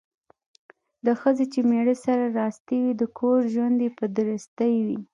د ښځې چې میړه سره راستي وي ،د کور ژوند یې په درستي وي.